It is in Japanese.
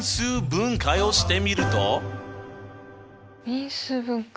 因数分解。